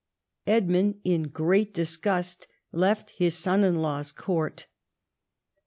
Edmund in great disgust left his son in law's court.